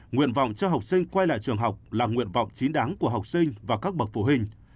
nguyện vọng cho học sinh quay lại trường học là nguyện vọng chính đáng của học sinh và các bậc phụ huynh